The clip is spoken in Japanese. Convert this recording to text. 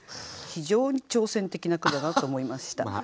非常に挑戦的な句だなと思いました。